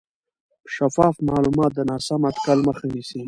شفاف معلومات د ناسم اټکل مخه نیسي.